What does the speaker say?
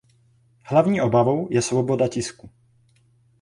Hlavní obavou je svoboda tisku.